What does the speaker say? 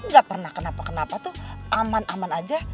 gak pernah kenapa kenapa tuh aman aman aja